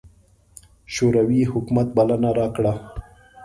شوروي حکومت بلنه راکړه.